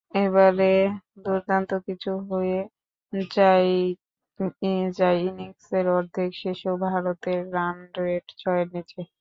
এবারে দুর্দান্ত কিছু হয়ে যাকইনিংসের অর্ধেক শেষেও ভারতের রানরেট ছয়ের নিচে।